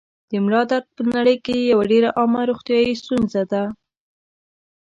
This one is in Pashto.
د ملا درد په نړۍ کې یوه ډېره عامه روغتیايي ستونزه ده.